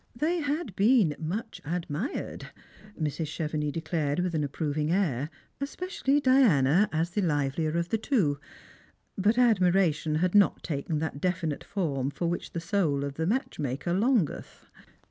They had been " much admired," Mrs. Chevenix declared with an approving air, especially Diana, as the livelier of the two; but admiration had not taken that definite form for which the soul of the match maker longeth.